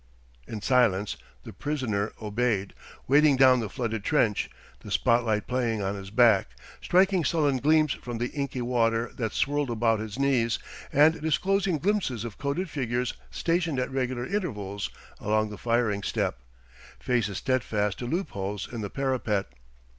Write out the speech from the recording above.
In silence the prisoner obeyed, wading down the flooded trench, the spot light playing on his back, striking sullen gleams from the inky water that swirled about his knees, and disclosing glimpses of coated figures stationed at regular intervals along the firing step, faces steadfast to loopholes in the parapet.